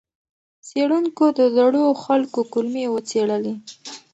څېړونکو د زړو خلکو کولمې وڅېړلې.